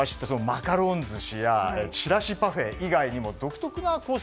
マカロン寿司ちらしパフェ以外にも独特なコース